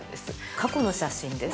過去の写真です。